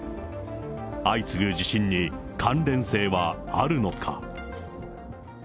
相次ぐ地震に、関連性はあるのか。